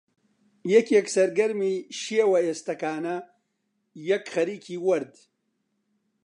یەکێک سەرگەرمی شێوە ئێستەکانە، یەک خەریکی وەرد